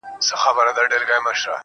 اوښکي دې توی کړلې ډېوې، راته راوبهيدې.